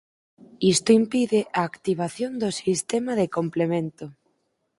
Isto impide a activación do sistema de complemento.